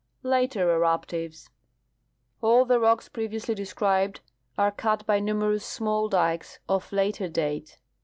Later Eruptives. — All the rocks previously described are cut by numerous small dikes of later date.